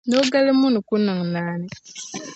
Nogal’ muni ku niŋ naani.